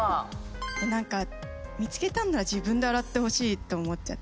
なんか見つけたんなら自分で洗ってほしいと思っちゃって。